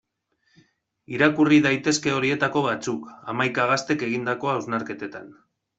Irakurri daitezke horietako batzuk, hamaika gaztek egindako hausnarketetan.